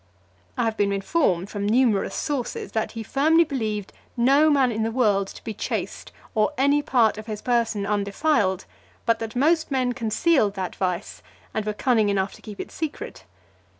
I have been informed from numerous sources, that he firmly believed, no man in the world to be chaste, or any part of his person undefiled; but that most men concealed that vice, and were cunning enough to keep it secret.